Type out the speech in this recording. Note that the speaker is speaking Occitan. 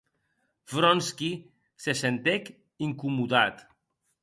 Vronsky se sentec incomodat.